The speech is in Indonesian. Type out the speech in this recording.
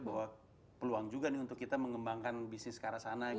bahwa peluang juga nih untuk kita mengembangkan bisnis ke arah sana gitu